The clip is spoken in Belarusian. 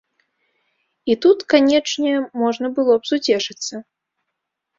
І тут, канечне, можна было б суцешыцца.